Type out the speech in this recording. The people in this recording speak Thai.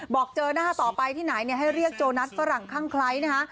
บอกเจอหน้าต่อไปที่ไหนให้เรียกโจนัสฝรั่งคั่งไคร้นะคะ